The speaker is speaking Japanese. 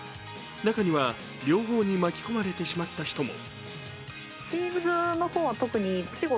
中には、両方に巻き込まれてしまった人も。